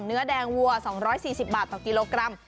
เนื้อแดงวัว๒๔๐บาทต่อกิโลกรัม